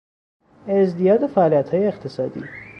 ازدیاد فعالیتهای اقتصادی